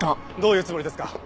どういうつもりですか？